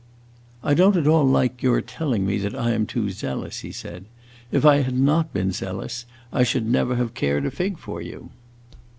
"I don't at all like your telling me I am too zealous," he said. "If I had not been zealous, I should never have cared a fig for you."